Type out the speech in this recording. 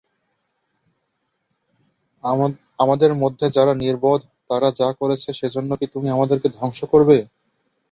আমাদের মধ্যে যারা নির্বোধ তারা যা করেছে সেজন্য কি তুমি আমাদেরকে ধ্বংস করবে?